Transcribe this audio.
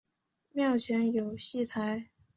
庙前有戏台。